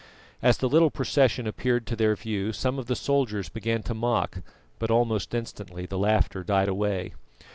As the little procession appeared to their view some of the soldiers began to mock, but almost instantly the laughter died away.